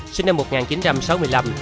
sinh năm một nghìn chín trăm sáu mươi năm